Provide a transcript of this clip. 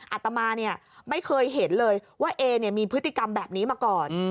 อาตมาไม่เคยเห็นเลยว่าเอมีพฤติกรรมแบบนี้มาก่อน